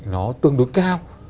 nó tương đối cao